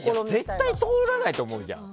絶対、通らないと思うじゃん。